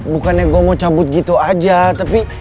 bukannya gue mau cabut gitu aja tapi